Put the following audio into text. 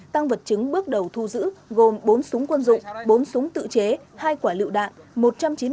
tăng vật chứng bước đầu thu giữ gồm bốn súng quân dụng bốn súng tự chế hai quả lựu đạn